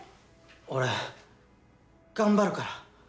俺頑張るから！